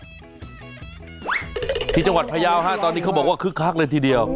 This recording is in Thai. ที่จังหวัดพยาวฮะตอนนี้เขาบอกว่าคึกคักเลยทีเดียว